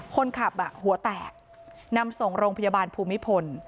คนขับหัวแตกนำส่งโรงพยาบาลภูมิพล